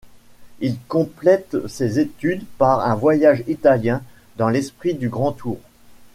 Il complète ses études par un voyage italien dans l'esprit du Grand Tour.